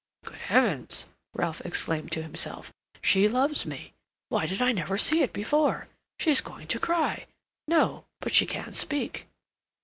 "Good heavens!" Ralph exclaimed to himself. "She loves me! Why did I never see it before? She's going to cry; no, but she can't speak."